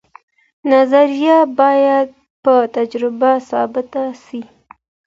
نظریه باید په تجربه ثابته سي.